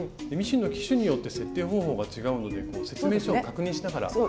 ミシンの機種によって設定方法が違うので説明書を確認しながら。